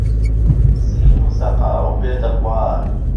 زین و سهقاو بێته خوار